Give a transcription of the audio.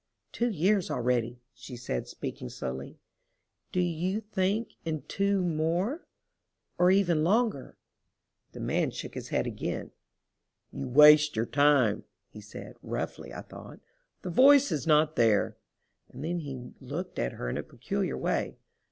"Two years already," she said, speaking slowly—"do you think in two more—or even longer?" The man shook his head again. "You waste your time," he said, roughly I thought. "The voice is not there." And then he looked at her in a peculiar way.